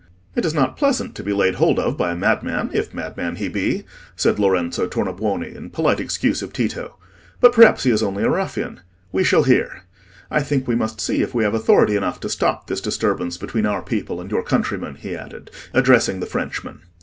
"It is not pleasant to be laid hold of by a madman, if madman he be," said Lorenzo Tornabuoni, in polite excuse of Tito, "but perhaps he is only a ruffian. We shall hear. I think we must see if we have authority enough to stop this disturbance between our people and your countrymen," he added, addressing the Frenchman.